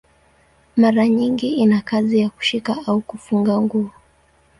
Mara nyingi ina kazi ya kushika au kufunga nguo.